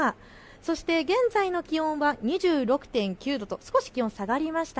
そして現在の気温は２６．９度と少し気温下がりました。